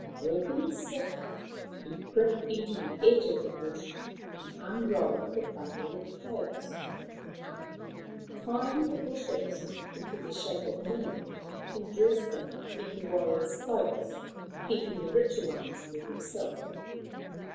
Walking softly, he crept into the edge of the bush and unrolled the bundle of cloaks. Tying the bushes into the shape of men, he dressed them in the warrior's cloaks, keeping the richer ones for himself.